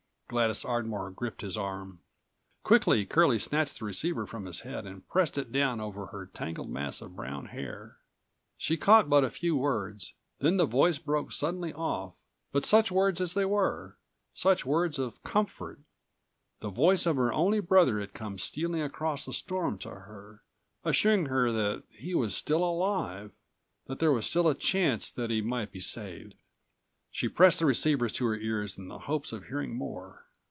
Gladys Ardmore gripped his arm. Quickly Curlie snatched the receiver from his head and pressed it down over her tangled mass of brown hair. She caught but a few words, then the voice broke suddenly off, but such words as they were; such words of comfort. The voice of her212 only brother had come stealing across the storm to her, assuring her that he was still alive; that there was still a chance that he might be saved. She pressed the receivers to her ears in the hopes of hearing more.